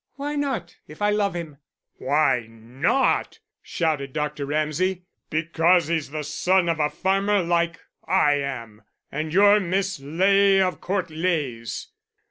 "Why not, if I love him?" "Why not!" shouted Dr. Ramsay. "Because he's the son of a farmer like I am and you're Miss Ley of Court Leys.